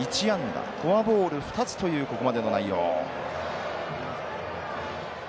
１安打フォアボール２つというここまでの内容。